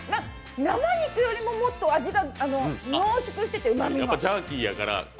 生肉よりももっと味が濃縮してて、うまみが。